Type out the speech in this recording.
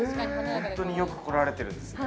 本当によく来られてるんですね。